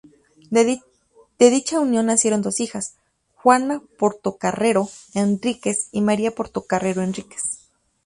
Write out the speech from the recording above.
De dicha unión nacieron dos hijas: Juana Portocarrero Enríquez y María Portocarrero Enríquez.